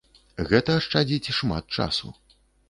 Гэта ашчадзіць шмат часу.